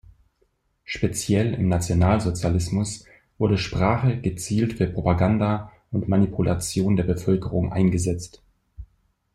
Speziell im Nationalsozialismus wurde Sprache gezielt für Propaganda und Manipulation der Bevölkerung eingesetzt.